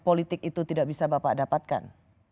politik itu tidak bisa bapak dapatkan